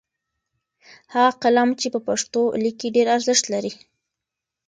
هغه قلم چې په پښتو لیکي ډېر ارزښت لري.